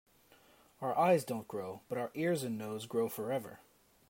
Our eyes don‘t grow, but our ears and nose grow forever.